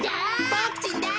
ボクちんだ！